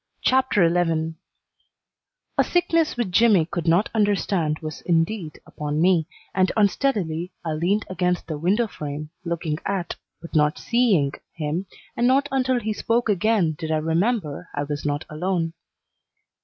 CHAPTER XI A sickness which Jimmy could not understand was indeed upon me, and unsteadily I leaned against the window frame, looking at, but not seeing, him, and not until he spoke again did I remember I was not alone.